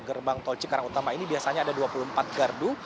di gardu tol gerbang tol cikarang utama ini biasanya ada dua puluh empat gardu